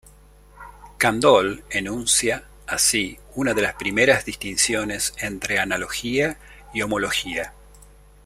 Candolle enuncia, así, una de las primeras distinciones entre analogía y homología.